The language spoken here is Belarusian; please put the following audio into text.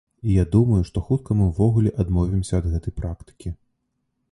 І я думаю, што хутка мы ўвогуле адмовімся ад гэтай практыкі.